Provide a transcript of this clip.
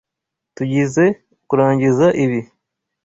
Tugizoe kurangiza ibi.